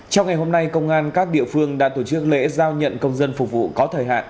trong ngày hôm nay công an các địa phương đã tổ chức lễ giao nhận công dân phục vụ có thời hạn